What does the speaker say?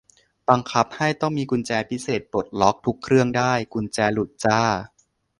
บังคับให้ต้องมีกุญแจพิเศษปลดล็อกทุกเครื่องได้ กุญแจหลุดจ้า